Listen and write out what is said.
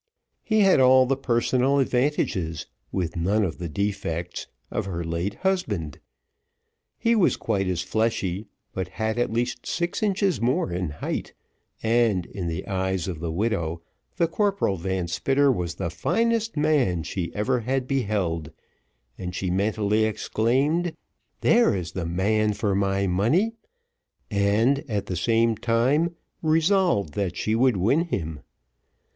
He had all the personal advantages, with none of the defects of her late husband; he was quite as fleshy, but had at least six inches more in height, and, in the eyes of the widow, the Corporal Van Spitter was the finest man she ever had beheld, and she mentally exclaimed, "There is the man for my money;" and, at the same time, resolved that she would win him.